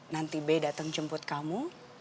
nanti b datang jemput kamu